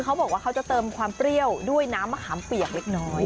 เขาบอกว่าเขาจะเติมความเปรี้ยวด้วยน้ำมะขามเปียกเล็กน้อย